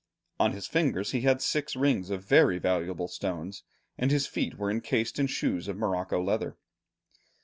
On his fingers, he had six rings of very valuable stones, and his feet were encased in shoes of morocco leather."